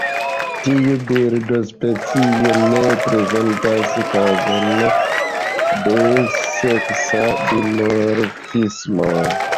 Tiu birdospecio ne prezentas kazon de seksa dimorfismo.